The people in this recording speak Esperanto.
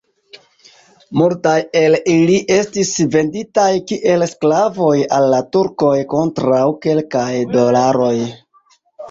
Multaj el ili estis venditaj kiel sklavoj al la turkoj kontraŭ kelkaj dolaroj.